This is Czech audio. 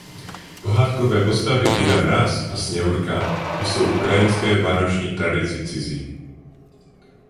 Pohádkové postavy Děda Mráz a Sněhurka jsou ukrajinské vánoční tradici cizí.